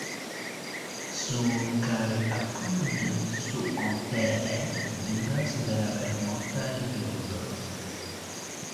Sur kaj apud Suontee vivas vere multaj birdoj.